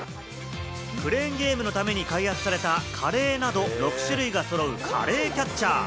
クレーンゲームのために開発されたカレーなど６種類がそろうカレーキャッチャー。